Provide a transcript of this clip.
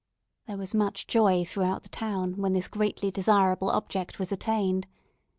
There was much joy throughout the town when this greatly desirable object was attained.